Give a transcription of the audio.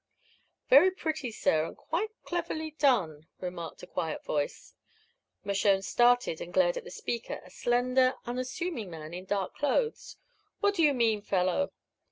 "Very pretty, sir, and quite cleverly done," remarked a quiet voice. Mershone started and glared at the speaker, a slender, unassuming man in dark clothes. "What do you mean, fellow?"